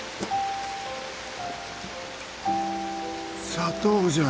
砂糖じゃ。